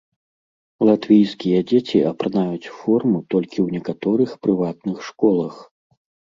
Латвійскія дзеці апранаюць форму толькі ў некаторых прыватных школах.